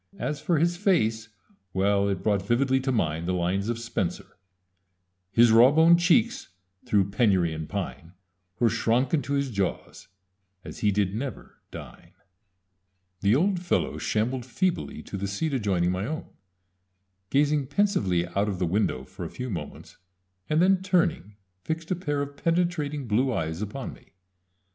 As for his face well, it brought vividly to mind the lines of Spenser His rawbone cheekes, through penurie and pine, Were shronke into his jawes, as he did never dyne. [Illustration: In the last stages of poverty.] The old fellow shambled feebly to the seat adjoining my own, gazing pensively out of the window for a few moments, and then turning fixed a pair of penetrating blue eyes upon me.